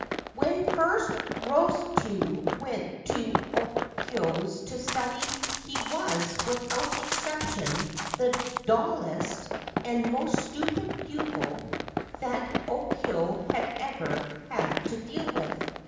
When first Rosetsu went to Okyo's to study he was, without exception, the dullest and most stupid pupil that Okyo had ever had to deal with.